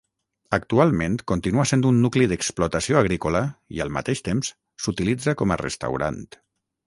Actualment, continua sent un nucli d'explotació agrícola i al mateix temps, s'utilitza com a restaurant.